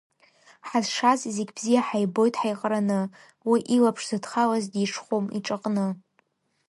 Ҳазшаз зегь бзиа ҳаибоит ҳаиҟраны, уи илаԥш зыдхалаз, дирҽхәом иҿаҟны!